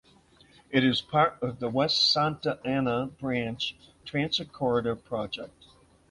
It is part of the West Santa Ana Branch Transit Corridor project.